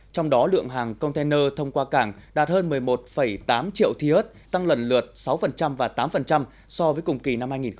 trong đó lượng hàng container thông qua cảng đạt hơn một mươi một tám triệu thi hớt tăng lần lượt sáu và tám so với cùng kỳ năm hai nghìn một mươi chín